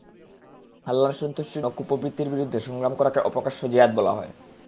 আল্লাহর সন্তুষ্টির জন্য কুপ্রবৃত্তির বিরুদ্ধে সংগ্রাম করাকে অপ্রকাশ্য জিহাদ বলা হয়।